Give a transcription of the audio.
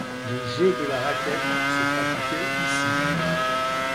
Le jeu de la raquette se pratiquait ici.